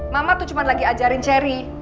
mama tuh cuma lagi ajarin cherry